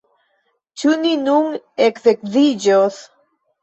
Ĉu ni nun eksedziĝos!